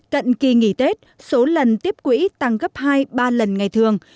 cận kỳ nghỉ tết số lần tiếp quỹ tăng gấp hai ba lần ngày thường